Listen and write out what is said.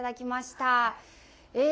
え